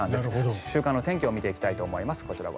週間天気を見ていきたいと思います。